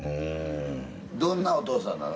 どんなお父さんなの？